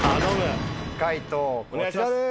解答こちらです。